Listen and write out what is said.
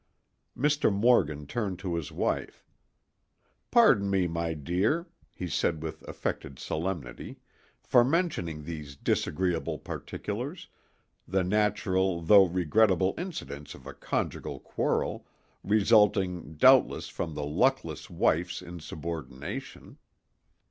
Mr. Morgan turned to his wife. "Pardon me, my dear," he said with affected solemnity, "for mentioning these disagreeable particulars, the natural though regrettable incidents of a conjugal quarrel—resulting, doubtless, from the luckless wife's insubordination."